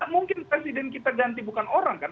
mungkin presiden kita ganti bukan orang kan